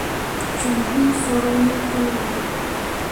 Coŋ hii foroŋ yo to wo.